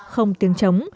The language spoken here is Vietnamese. không tiếng chống